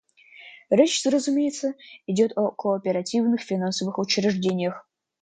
Речь, разумеется, идет о кооперативных финансовых учреждениях.